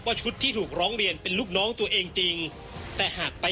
ชุดที่ถูกร้องเรียนเป็นลูกน้องตัวเองจริงแต่หากไป